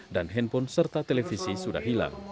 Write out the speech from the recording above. dan handphone serta televisi sudah hilang